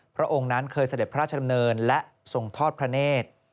พระองค์นั้นเคยเสด็จพระราชดำเนินและทรงทอดพระเนธ